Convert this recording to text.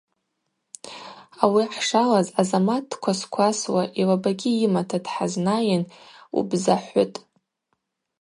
Ауи хӏшалаз Азамат дквасквасуа йлабагьи йымата дхӏызнайын: – Убзахӏвытӏ.